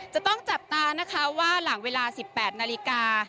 จะต้องจับตานะคะว่าหลังเวลา๑๘นาฬิกา